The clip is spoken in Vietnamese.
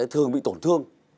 thường bị tổn thương